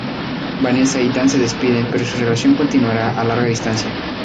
Vanessa y Dan se despiden, pero su relación continuará a larga distancia.